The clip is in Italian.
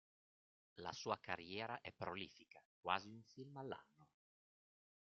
La sua carriera è prolifica: quasi un film all'anno.